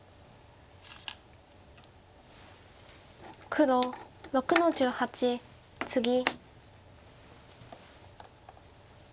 黒６の十八ツギ。